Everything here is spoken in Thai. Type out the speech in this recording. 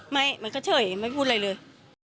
มันก็เฉยไม่พูดอะไรเลย